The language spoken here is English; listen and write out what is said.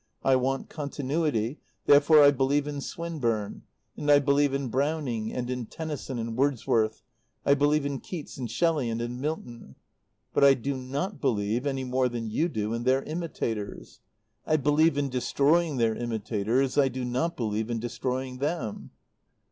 I want continuity. Therefore I believe in Swinburne; and I believe in Browning and in Tennyson and Wordsworth; I believe in Keats and Shelley and in Milton. But I do not believe, any more than you do, in their imitators. I believe in destroying their imitators. I do not believe in destroying them."